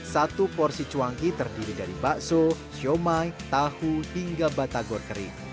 satu porsi cuangki terdiri dari bakso siomay tahu hingga batagor kering